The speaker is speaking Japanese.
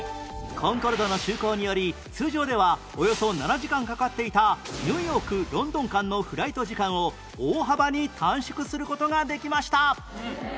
コンコルドの就航により通常ではおよそ７時間かかっていたニューヨークロンドン間のフライト時間を大幅に短縮する事ができました